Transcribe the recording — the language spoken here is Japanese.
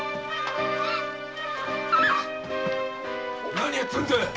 何やってんだ！